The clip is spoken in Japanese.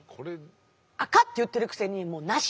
赤って言ってるくせにもうなし。